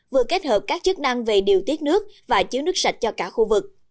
vừa kết hợp các chức năng về điều tiết nước và chiếu nước sạch cho cả khu vực